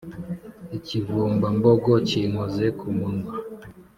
ikivumba mbogo kinkoze kumunwa